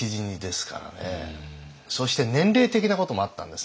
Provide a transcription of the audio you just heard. そして年齢的なこともあったんです。